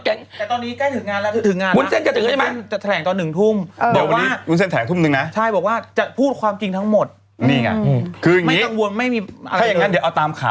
แต่ตอนนี้ใกล้ถึงงานแล้วถึงงานนะ